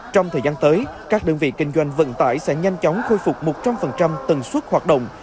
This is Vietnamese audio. trong thời gian tới các đơn vị kinh doanh vận tải sẽ nhanh chóng khôi phục một trăm linh tần suất hoạt động